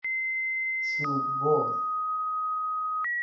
چوب بر